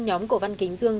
nhóm của văn kính dương